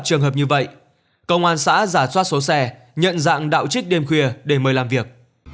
trường hợp như vậy công an xã giả soát số xe nhận dạng đạo trích đêm khuya để mời làm việc